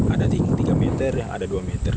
ada tinggi tiga meter yang ada dua meter